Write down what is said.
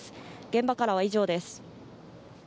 現場からは以上です。